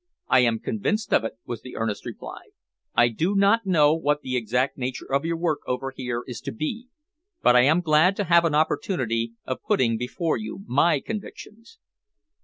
"I am convinced of it," was the earnest reply. "I do not know what the exact nature of your work over here is to be, but I am glad to have an opportunity of putting before you my convictions.